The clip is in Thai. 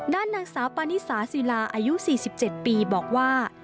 ด้านนางสาวปานิสาศิลาอายุ๔๗ปีบอกว่า